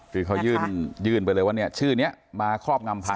คือเขายื่นไปเลยว่าชื่อนี้มาครอบงำภักดิ์